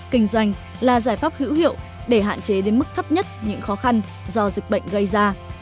kinh doanh là giải pháp hữu hiệu để hạn chế đến mức thấp nhất những khó khăn do dịch bệnh gây ra